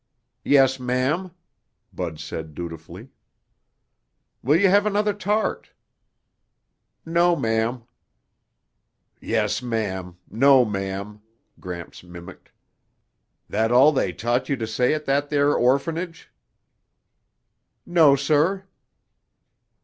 "Yes, ma'am," Bud said dutifully. "Will you have another tart?" "No, ma'am." "Yes, ma'am. No, ma'am," Gramps mimicked. "That all they taught you to say at that there orphanage?" "No, sir."